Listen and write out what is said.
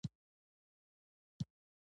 هر څوک باید د خپل کور عزت وساتي.